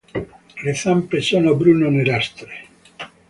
Le zampe sono bruno-nerastre.